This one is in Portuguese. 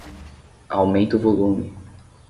Aumenta o volume.